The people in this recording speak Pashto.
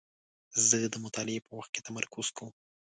زه د مطالعې په وخت کې تمرکز کوم.